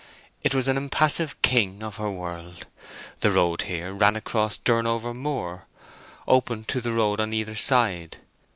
It was an impassive King of her world. The road here ran across Durnover Moor, open to the road on either side.